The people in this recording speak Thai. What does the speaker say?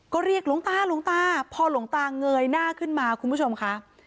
ก็เรียกหลวงตาหลวงตาพอหลวงตาเงยหน้าขึ้นมาคุณผู้ชมค่ะ